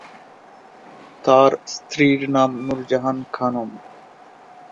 তার স্ত্রীর নাম নূরজাহান খানম।